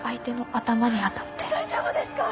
大丈夫ですか！？